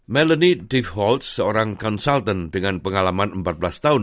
melanie diff holtz seorang konsultan dengan pengalaman empat belas tahun